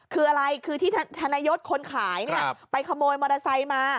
คืออะไรคือที่ธนยศคนขายไปขโมยมอเตอร์ไซค์มา